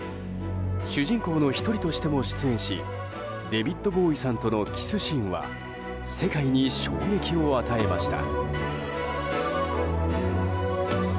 主人公の１人としても出演しデヴィッド・ボウイさんとのキスシーンは世界に衝撃を与えました。